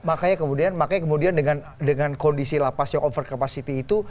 makanya kemudian dengan kondisi lapas yang over capacity itu